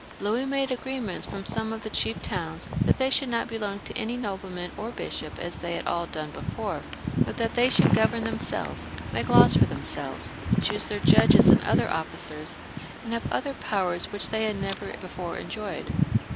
Louis made agreements with some of the chief towns that they should not belong to any nobleman or bishop as they had all done before, but that they should govern themselves, make laws for themselves, choose their judges and other oflScers, and have other powers which they had never before enjoyed.